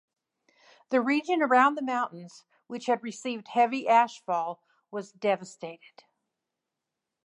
The region around the mountains, which had received heavy ashfall, was devastated.